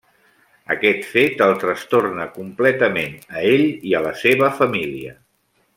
Aquest fet el trastorna completament a ell i a la seva família.